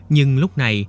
nhưng lúc này